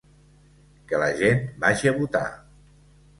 Que la gent vagi a votar.